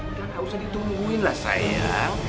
udah gak usah ditungguin lah saya